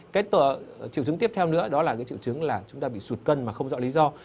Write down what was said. cái triệu chứng tiếp theo nữa đó là cái triệu chứng là chúng ta bị sụt cân mà không rõ lý do